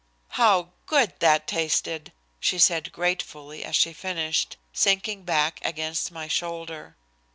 "How good that tasted!" she said gratefully as she finished, sinking back against my shoulder.